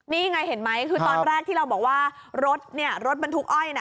นี่ไงเห็นไหมคือตอนแรกที่เราบอกว่ารถเนี่ยรถบรรทุกอ้อยน่ะ